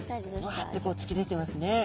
ワッてこうつき出てますね。